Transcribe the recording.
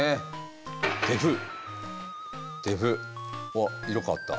あっ色変わった。